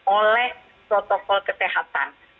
oleh soto pembangunan